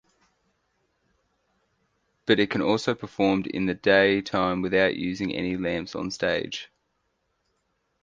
But it can also performed in day time without using any lamps on stage.